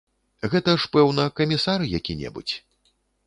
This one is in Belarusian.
Гэта ж, пэўна, камісар які-небудзь.